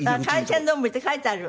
「海鮮丼」って書いてある。